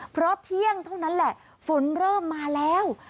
เพราะเที่ยงเท่านั้นแหละฝนเริ่มมาแล้ว